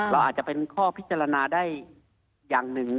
เราอาจจะเป็นข้อพิจารณาได้อย่างหนึ่ง